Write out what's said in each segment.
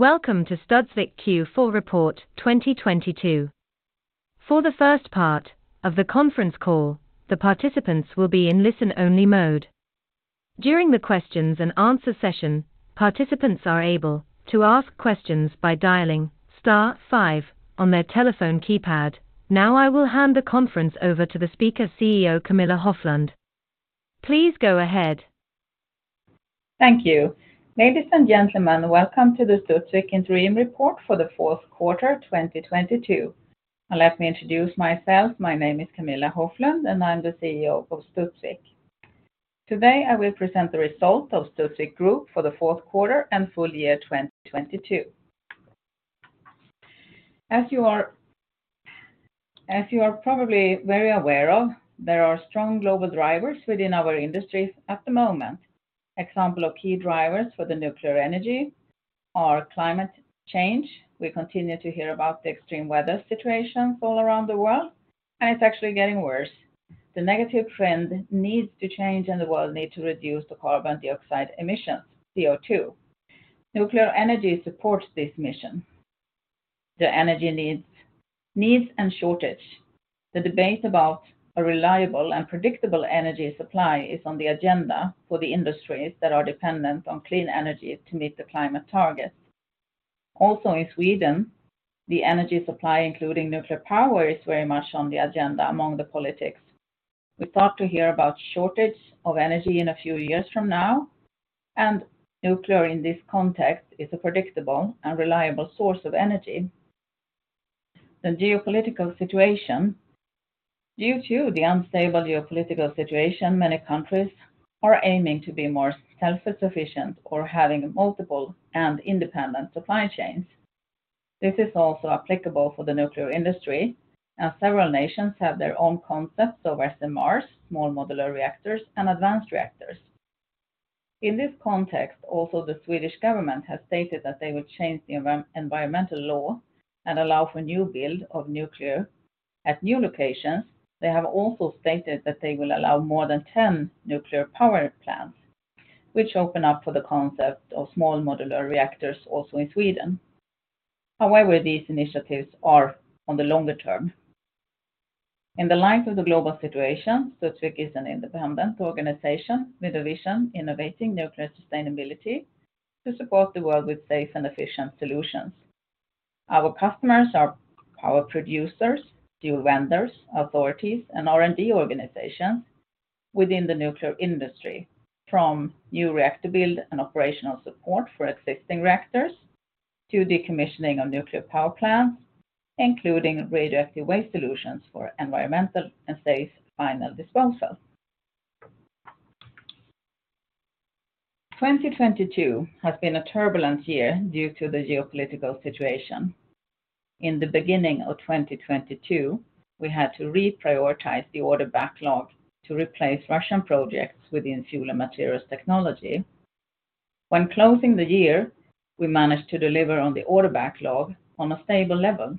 Welcome to Studsvik Q4 Report 2022. For the first part of the conference call, the participants will be in listen-only mode. During the questions and answer session, participants are able to ask questions by dialing star five on their telephone keypad. I will hand the conference over to the speaker, CEO Camilla Hoflund. Please go ahead. Thank you. Ladies and gentlemen, welcome to the Studsvik Interim Report for the Q4, 2022. Let me introduce myself. My name is Camilla Hoflund, and I'm the CEO of Studsvik. Today, I will present the result of Studsvik Group for the Q4 and full year 2022. As you are probably very aware of, there are strong global drivers within our industries at the moment. Example of key drivers for the nuclear energy are climate change. We continue to hear about the extreme weather situations all around the world, and it's actually getting worse. The negative trend needs to change, and the world need to reduce the carbon dioxide emissions, CO2. Nuclear energy supports this mission. The energy needs and shortage. The debate about a reliable and predictable energy supply is on the agenda for the industries that are dependent on clean energy to meet the climate targets. Also in Sweden, the energy supply, including nuclear power, is very much on the agenda among the politics. We start to hear about shortage of energy in a few years from now, and nuclear in this context is a predictable and reliable source of energy. The geopolitical situation. Due to the unstable geopolitical situation, many countries are aiming to be more self-sufficient or having multiple and independent supply chains. This is also applicable for the nuclear industry, as several nations have their own concepts of SMRs, small modular reactors, and advanced reactors. In this context, also the Swedish government has stated that they would change the environmental law and allow for new build of nuclear at new locations. They have also stated that they will allow more than 10 nuclear power plants, which open up for the concept of small modular reactors also in Sweden. These initiatives are on the longer term. In the light of the global situation, Studsvik is an independent organization with a vision innovating nuclear sustainability to support the world with safe and efficient solutions. Our customers are power producers, fuel vendors, authorities, and R&D organizations within the nuclear industry, from new reactor build and operational support for existing reactors to decommissioning of nuclear power plants, including radioactive waste solutions for environmental and safe final disposal. 2022 has been a turbulent year due to the geopolitical situation. In the beginning of 2022, we had to reprioritize the order backlog to replace Russian projects within Fuel and Materials Technology. When closing the year, we managed to deliver on the order backlog on a stable level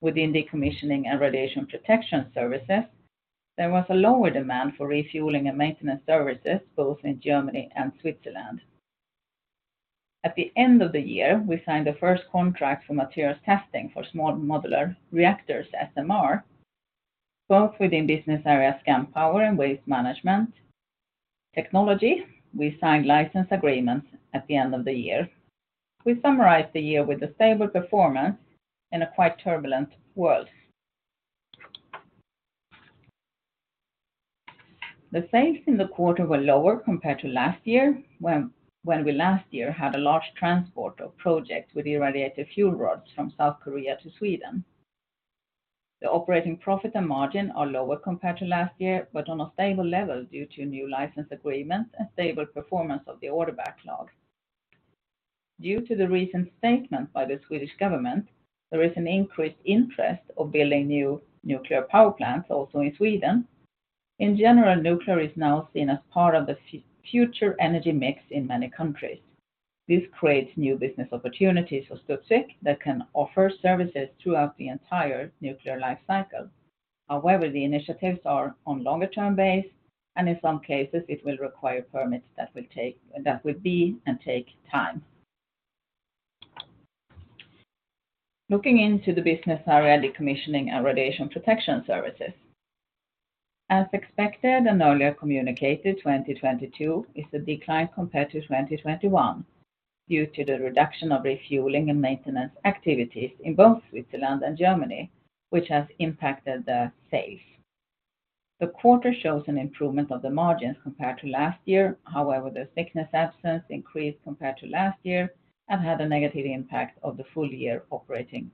within Decommissioning and Radiation Protection Services. There was a lower demand for refueling and maintenance services both in Germany and Switzerland. At the end of the year, we signed the first contract for materials testing for small modular reactors, SMR, both within business areas Scandpower and Waste Management Technology, we signed license agreements at the end of the year. We summarized the year with a stable performance in a quite turbulent world. The sales in the quarter were lower compared to last year, when we last year had a large transport of project with irradiated fuel rods from South Korea to Sweden. The operating profit and margin are lower compared to last year, but on a stable level due to new license agreement and stable performance of the order backlog. Due to the recent statement by the Swedish government, there is an increased interest of building new nuclear power plants also in Sweden. In general, nuclear is now seen as part of the future energy mix in many countries. This creates new business opportunities for Studsvik that can offer services throughout the entire nuclear life cycle. The initiatives are on longer-term base, and in some cases, it will require permits that will be and take time. Looking into the business area Decommissioning and Radiation Protection Services. As expected and earlier communicated, 2022 is a decline compared to 2021 due to the reduction of refueling and maintenance activities in both Switzerland and Germany, which has impacted the sales. The quarter shows an improvement of the margins compared to last year. The sickness absence increased compared to last year and had a negative impact of the full year operating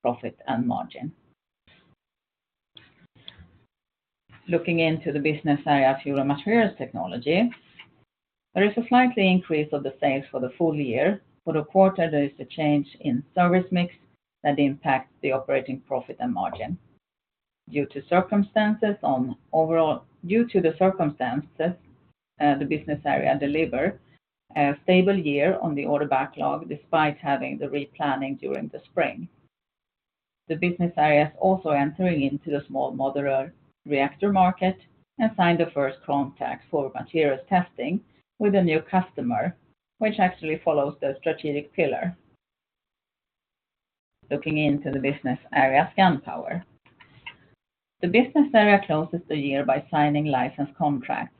profit and margin. Looking into the business area Fuel and Materials Technology, there is a slight increase of the sales for the full year. For the quarter, there is a change in service mix that impacts the operating profit and margin. Due to the circumstances, the business area delivered a stable year on the order backlog despite having the replanning during the spring. The business area is also entering into the small modular reactor market and signed the first contract for materials testing with a new customer, which actually follows the strategic pillar. Looking into the business area Scandpower. The business area closes the year by signing license contracts.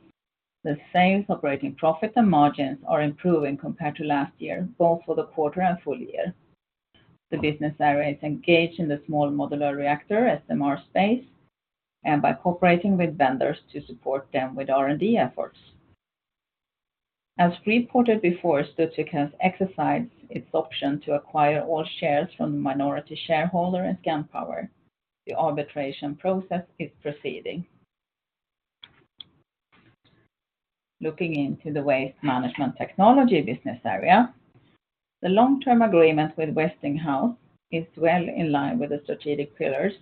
The sales, operating profit, and margins are improving compared to last year, both for the quarter and full year. The business area is engaged in the small modular reactor, SMR, space, and by cooperating with vendors to support them with R&D efforts. As reported before, Studsvik has exercised its option to acquire all shares from the minority shareholder at Scandpower. The arbitration process is proceeding. Looking into the Waste Management Technology business area, the long-term agreement with Westinghouse is well in line with the strategic pillars,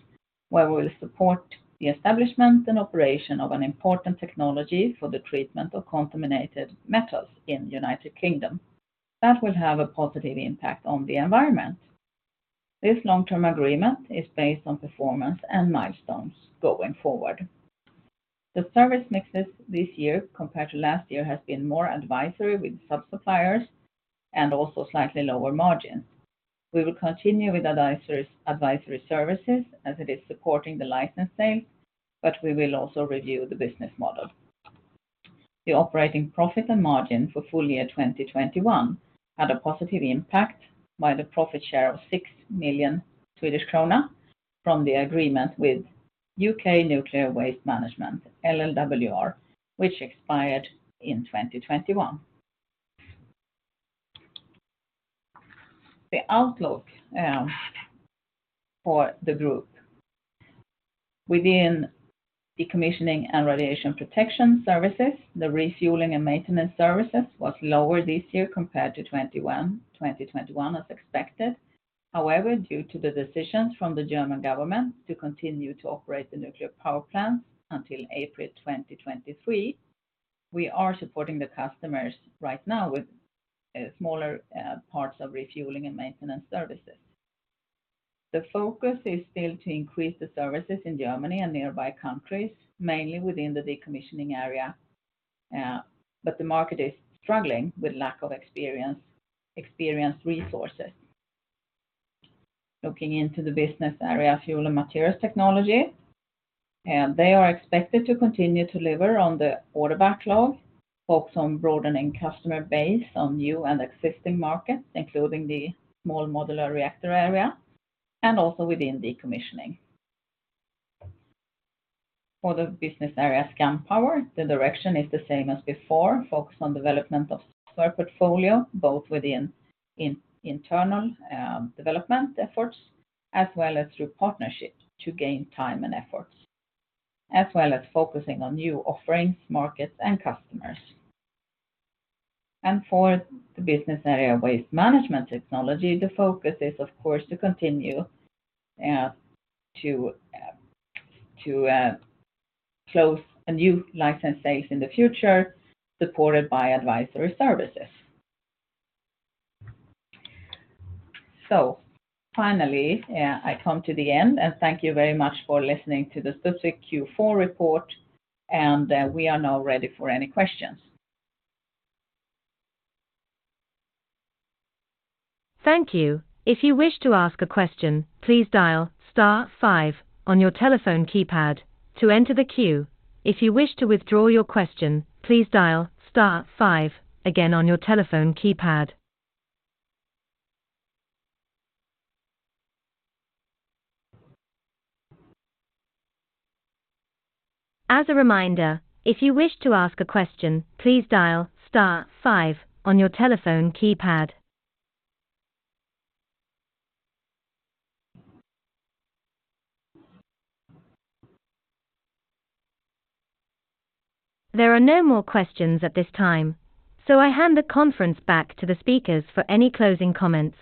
where we will support the establishment and operation of an important technology for the treatment of contaminated metals in United Kingdom. That will have a positive impact on the environment. This long-term agreement is based on performance and milestones going forward. The service mixes this year compared to last year has been more advisory with sub-suppliers and also slightly lower margins. We will continue with advisory services as it is supporting the license sale, we will also review the business model. The operating profit and margin for full year 2021 had a positive impact by the profit share of 6 million Swedish krona from the agreement with UK Nuclear Waste Management, LLWR, which expired in 2021. The outlook for the group. Within Decommissioning and Radiation Protection Services, the refueling and maintenance services was lower this year compared to 2021, as expected. Due to the decisions from the German government to continue to operate the nuclear power plants until April 2023, we are supporting the customers right now with smaller parts of refueling and maintenance services. The focus is still to increase the services in Germany and nearby countries, mainly within the decommissioning area, but the market is struggling with lack of experience, experienced resources. Looking into the business area, Fuel and Materials Technology, they are expected to continue to deliver on the order backlog, focus on broadening customer base on new and existing markets, including the small modular reactor area, and also within decommissioning. For the business area Scandpower, the direction is the same as before. Focus on development of software portfolio, both within internal development efforts, as well as through partnership to gain time and efforts, as well as focusing on new offerings, markets and customers. For the business area Waste Management Technology, the focus is, of course, to continue to close a new license sales in the future, supported by advisory services. Finally, I come to the end, and thank you very much for listening to the Studsvik Q4 report, and, we are now ready for any questions. Thank you. If you wish to ask a question, please dial star five on your telephone keypad to enter the queue. If you wish to withdraw your question, please dial star five again on your telephone keypad. As a reminder, if you wish to ask a question, please dial star five on your telephone keypad. There are no more questions at this time, so I hand the conference back to the speakers for any closing comments.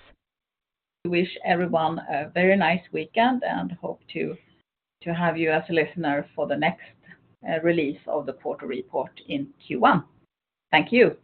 We wish everyone a very nice weekend and hope to have you as a listener for the next release of the quarter report in Q1. Thank you.